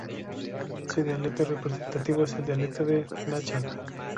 Su dialecto representativo es el dialecto de Nanchang.